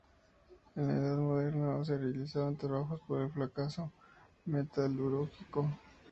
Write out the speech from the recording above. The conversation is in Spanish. En la Edad Moderna, no se realizaban trabajos por el fracaso metalúrgico.